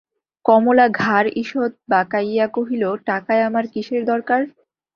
কমলা ঘাড় ঈষৎ বাঁকাইয়া কহিল, টাকায় আমার কিসের দরকার?